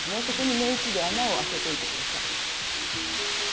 そこに目打ちで穴をあけといて下さい。